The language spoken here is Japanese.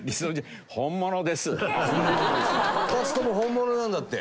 ２つとも本物なんだって。